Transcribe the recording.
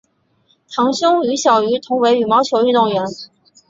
堂兄于小渝同为羽毛球运动员。